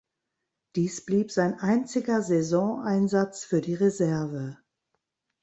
Dies blieb sein einziger Saisoneinsatz für die Reserve.